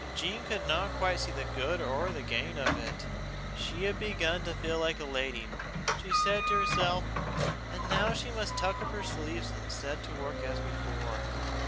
Jean could not quite see the good or the gain of it. She had begun to feel like a lady, she said to herself, and now she must tuck up her sleeves and set to work as before.